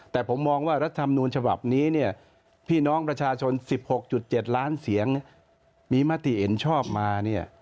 แต่ผมมองว่ารัฐธรรมนูญฉบับนี้เนี่ยพี่น้องประชาชน๑๖๗ล้านเสียงมีมติเห็นชอบมาเนี่ย